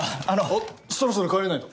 おっそろそろ帰らないと。